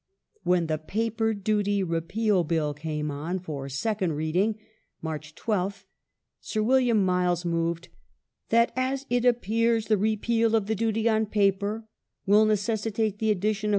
When the Paper Duty Repeal Bill came on for second reading (March 12th) Sir William Miles moved :" That as it ap pears the repeal of the duty on paper will necessitate the addition of Id.